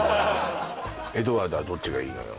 エドワードはどっちがいいのよ？